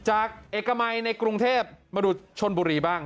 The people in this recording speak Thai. เอกมัยในกรุงเทพมาดูชนบุรีบ้าง